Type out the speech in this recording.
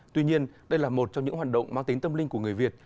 tuy nhiên đây là một trong những hoạt động mang tính tâm linh của người việt